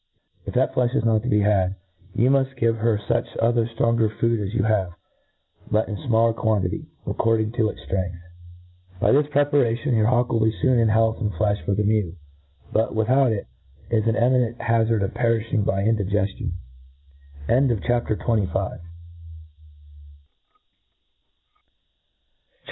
If that flefh is not to be had, you mull give her fuch other ftronger food as you have, but in fmaller quantity, according to its ftrength. By this preparation your hawk will be foon in health and flefh for the mew ; but, without it, is in imminei^ hazard of perifhing byjndigeilion^ CHAP.